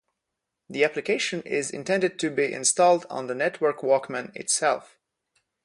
The application is intended to be installed on the Network Walkman itself.